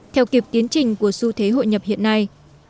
theo kịp tiến trình của xu thế hội nhập hiện nay